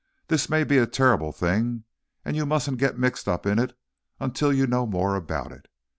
This may be a terrible thing, and you mustn't get mixed up in it until you know more about it.